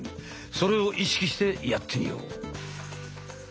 それを意識してやってみよう。